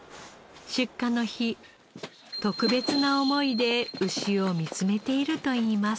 出荷の日特別な思いで牛を見つめているといいます。